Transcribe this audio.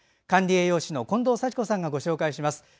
管理栄養士の近藤幸子さんがご紹介します。